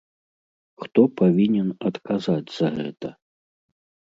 Хто павінен адказаць за гэта?